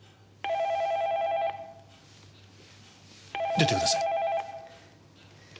出てください。